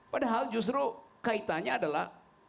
padahal justru kaitannya adalah